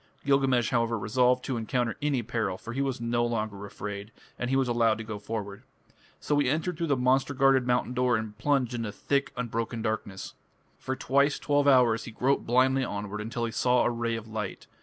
Gilgamesh, however, resolved to encounter any peril, for he was no longer afraid, and he was allowed to go forward. So he entered through the monster guarded mountain door and plunged into thick unbroken darkness. For twice twelve hours he groped blindly onward, until he saw a ray of light.